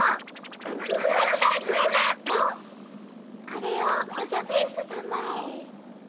これをオジャフェウスさまへ。